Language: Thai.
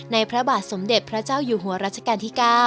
พระบาทสมเด็จพระเจ้าอยู่หัวรัชกาลที่๙